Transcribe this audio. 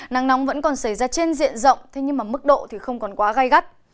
nắng nóng vẫn còn xảy ra trên diện rộng nhưng mức độ không quá gai gắt